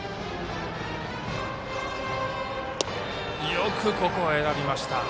よくここは選びました。